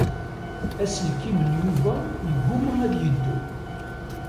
Aselkim n Yuba yegguma ad yeddu.